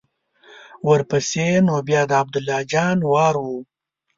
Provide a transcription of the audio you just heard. ورپسې نو بیا د عبدالله جان وار و.